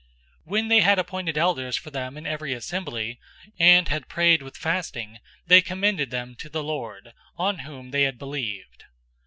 014:023 When they had appointed elders for them in every assembly, and had prayed with fasting, they commended them to the Lord, on whom they had believed.